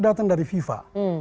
datang dari fifa